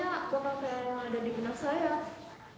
bakal kayak yang ada di binat saya